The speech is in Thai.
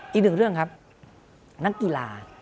อีกหนึ่งเรื่องครับนักกีฬา